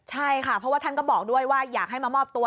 ใช่ค่ะเพราะว่าท่านก็บอกด้วยว่าอยากให้มามอบตัว